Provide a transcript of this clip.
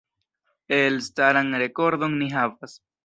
Elstaran rekordon ni havas.